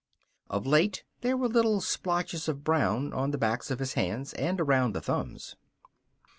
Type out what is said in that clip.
Of late there were little splotches of brown on the backs of his hands and around the thumbs.